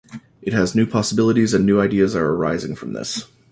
It has new possibilities and new ideas are arising from this.